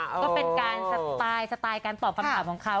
ก็เป็นการสไตล์สไตล์การตอบคำถามของเขา